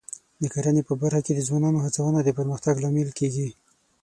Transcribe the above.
د کرنې په برخه کې د ځوانانو هڅونه د پرمختګ لامل کېږي.